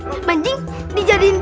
ustadz jangan dijadiin kalung